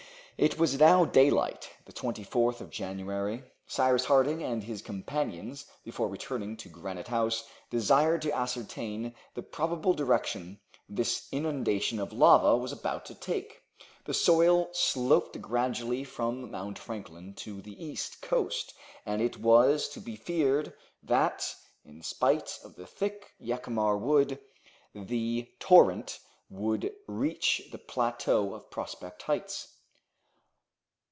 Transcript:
It was now daylight the 24th of January. Cyrus Harding and his companions, before returning to Granite House, desired to ascertain the probable direction this inundation of lava was about to take. The soil sloped gradually from Mount Franklin to the east coast, and it was to be feared that, in spite of the thick Jacamar Wood, the torrent would reach the plateau of Prospect Heights.